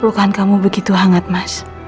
pelukan kamu begitu hangat mas